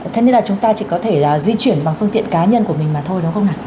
thế nên là chúng ta chỉ có thể di chuyển bằng phương tiện cá nhân của mình mà thôi đúng không ạ